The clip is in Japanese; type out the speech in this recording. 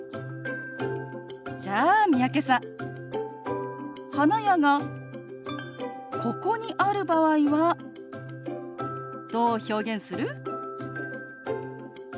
じゃあ三宅さん花屋がここにある場合はどう表現する？